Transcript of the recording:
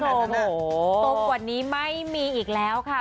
ตรงกว่านี้ไม่มีอีกแล้วค่ะ